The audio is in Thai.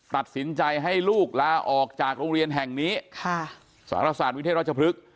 ตัดสินใจให้ลูกลาออกจากโรงเรียนแห่งนี้สหรัฐศาสตร์วิทยาลัยราชพลึก